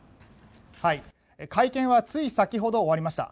会見はつい先ほど終わりました。